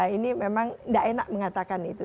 ini memang tidak enak mengatakan itu